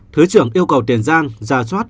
thứ trưởng yêu cầu tiền giang ra chót